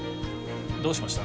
どうしました？